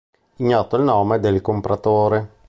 Ignoto è il nome del compratore.